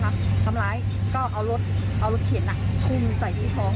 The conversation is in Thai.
มันก็เอารถเข็นอ่ะมาทุ่มเข้าที่หัวที่หัวอย่างเดียวเลย